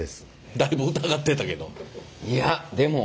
だいぶ疑ってたけど。